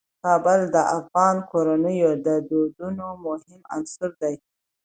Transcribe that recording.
کابل د افغان کورنیو د دودونو مهم عنصر دی.